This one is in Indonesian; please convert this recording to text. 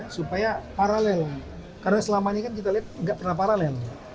supaya paralel karena selamanya kan kita lihat tidak pernah paralel